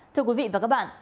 thưa quý vị và các bạn